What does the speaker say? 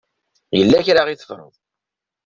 Yella kra i teffreḍ.